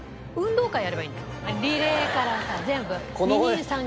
リレーからさ全部二人三脚。